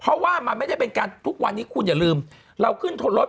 เพราะว่ามันไม่ได้เป็นการทุกวันนี้คุณอย่าลืมเราขึ้นทนรถ